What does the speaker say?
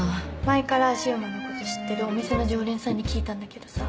前から柊磨のこと知ってるお店の常連さんに聞いたんだけどさ。